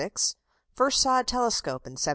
First saw a telescope in 1773.